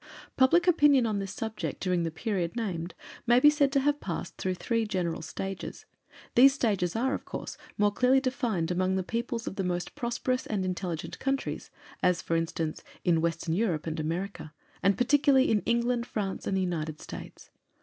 Public opinion on this subject during the period named may be said to have passed through three general stages. These stages are, of course, more clearly defined among the peoples of the most prosperous and intelligent countries, as for instance, in Western Europe and America, and particularly in England, France, and the United States.